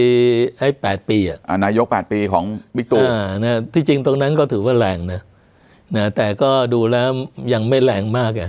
๘ปีนายก๘ปีของบิ๊กตูที่จริงตรงนั้นก็ถือว่าแรงนะแต่ก็ดูแล้วยังไม่แรงมากไง